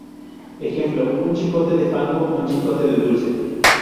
Ejemplo: un chicote de fango, un chicote de dulce